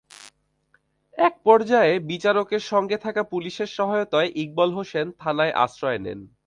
একপর্যায়ে বিচারকের সঙ্গে থাকা পুলিশের সহায়তায় ইকবাল হোসেন থানায় আশ্রয় নেন।